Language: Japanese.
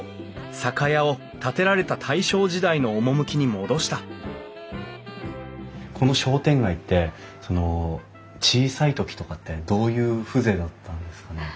酒屋を建てられた大正時代の趣に戻したこの商店街って小さい時とかってどういう風情だったんですか？